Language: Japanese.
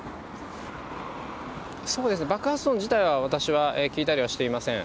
そうですね、爆発音自体は私は聞いたりはしていません。